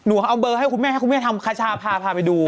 เอาเบอร์ให้คุณแม่ให้คุณแม่ทำคชาพาพาไปดู